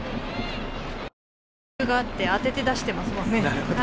今、余裕があって当てて出してますもんね。